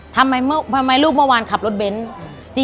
ทำไมลูกเมื่อวานขับรถเบนท์